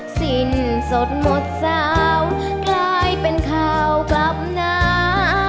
สิ้นสดหมดสาวกลายเป็นข่าวกลับหนา